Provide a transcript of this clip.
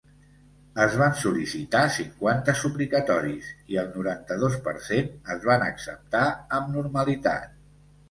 Es van sol·licitar cinquanta suplicatoris, i el noranta-dos per cent es van acceptar amb normalitat.